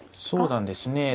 そうなんですね。